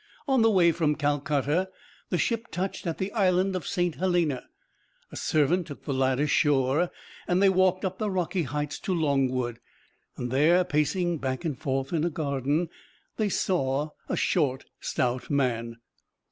On the way from Calcutta the ship touched at the Island of Saint Helena. A servant took the lad ashore and they walked up the rocky heights to Longwood, and there, pacing back and forth in a garden, they saw a short, stout man.